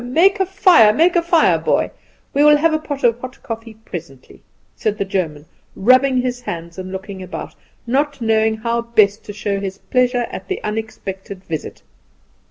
Make a fire, make a fire, boy. We will have a pot of hot coffee presently," said the German, rubbing his hands and looking about, not knowing how best to show his pleasure at the unexpected visit.